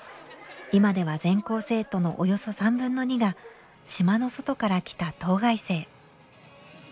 今では全校生徒のおよそ３分の２が島の外から来た島外生。